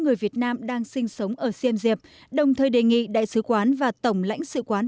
người việt nam đang sinh sống ở siem diệp đồng thời đề nghị đại sứ quán và tổng lãnh sự quán